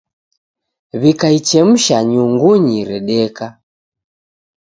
Wikaichemusha nyungunyi redeka.